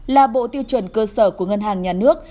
là bộ tiêu chuẩn cơ sở của ngân hàng nhà nước